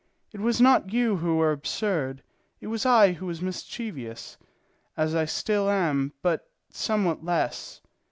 "It was not you who were absurd; it was I who was mischievous, as I still am, but somewhat less.